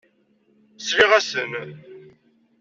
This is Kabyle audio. Sliɣ-asen.